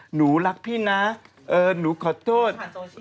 หนูรักพี่นะหนูขอโทษ